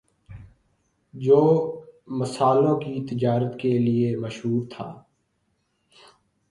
جو مسالوں کی تجارت کے لیے مشہور تھا